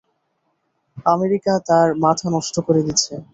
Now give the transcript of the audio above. America তার মাথা নষ্ট করে দিছে।